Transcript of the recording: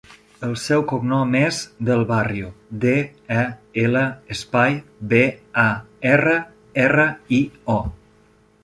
El seu cognom és Del Barrio: de, e, ela, espai, be, a, erra, erra, i, o.